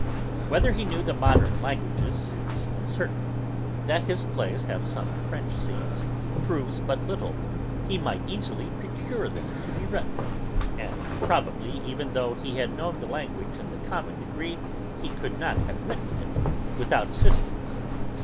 Whether he knew the modern languages is uncertain. That his plays have some French scenes proves but little; he might easily procure them to be written, and probably, even though he had known the language in the common degree, he could not have written it without assistance.